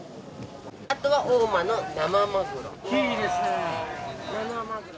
あとは大間の生マグロ。